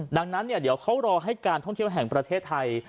ดังนั้นเดี๋ยวเขารอให้การท่องเที่ยวแห่งประเทศไทย